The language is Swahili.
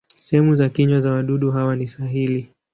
Sehemu za kinywa za wadudu hawa ni sahili.